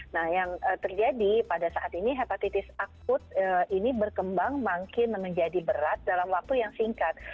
nah yang terjadi pada saat ini hepatitis akut ini berkembang makin menjadi berat dalam waktu yang singkat